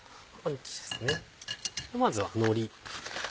まずはのり。